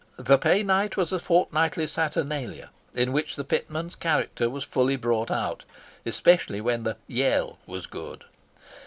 The pay night was a fortnightly saturnalia, in which the pitman's character was fully brought out, especially when the "yel" was good.